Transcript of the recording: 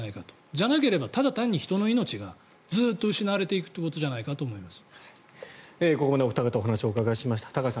じゃなければただ単に人の命がずっと失われていくということじゃないかと思います。